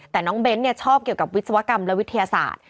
แต่น้องเบ้นชอบเกี่ยวกับวิศวกรรมและวิทยาศาสตร์